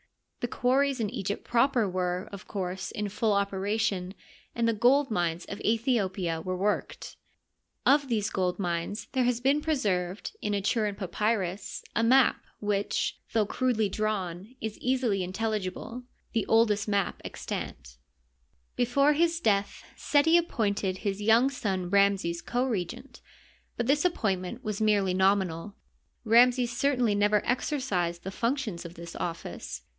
The quarries in Egypt proper were, of course, in full operation, and the gold mines of Aethiopia were worked. Of these gold mines there has been preserved, in a Turin papyrus, a map which, though crudely drawn, is easily intelligible— the oldest map extant. Digitized byCjOOQlC THE NINETEENTH DYNASTY. 87 Before his death Seti appointed his young son Ramses co regent, but this appointment was merely nominal. Ramses certainly never exercised the functions of this office.